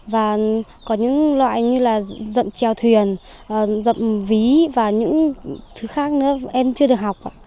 và có những loại như là dậm trèo thuyền dậm ví và những thứ khác nữa em chưa được học